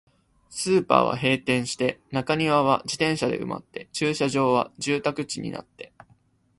スーパーは閉店して、中庭は自転車で埋まって、駐車場は住宅地になって、